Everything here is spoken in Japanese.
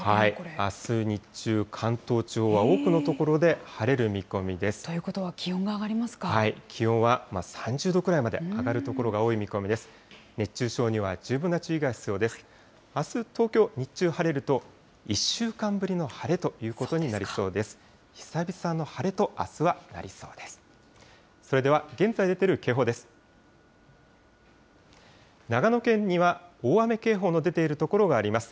あす、東京、日中晴れると、１週間ぶりの晴れということになりそうです。